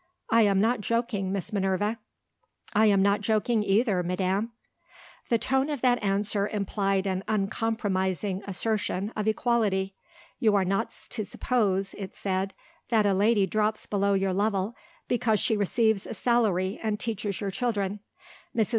"I am not joking, Miss Minerva." "I am not joking either, madam." The tone of that answer implied an uncompromising assertion of equality. You are not to suppose (it said) that a lady drops below your level, because she receives a salary and teaches your children. Mrs.